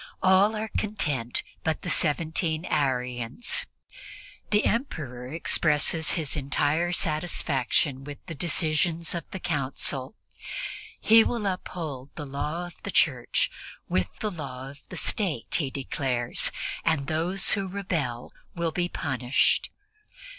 All are content but the seventeen Arians. The Emperor expresses his entire satisfaction with the decisions of the Council; he will uphold the law of the Church with the law of the State, he declares, and those who rebel will be punished.